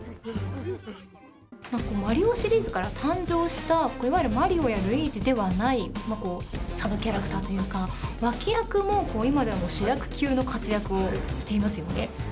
マリオシリーズから誕生したいわゆるマリオやルイージではないサブキャラクターというか脇役も今では主役級の活躍をしていますよね。